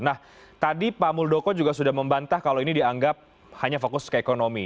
nah tadi pak muldoko juga sudah membantah kalau ini dianggap hanya fokus ke ekonomi